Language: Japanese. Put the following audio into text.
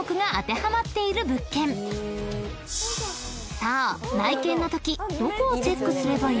［さあ内見のときどこをチェックすればいい？］